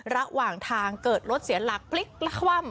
ระหว่างทางเกิดรถเสียหลักพลิกและคว่ำ